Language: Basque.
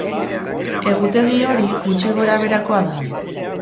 Egutegi hori gutxi gora beherakoa da.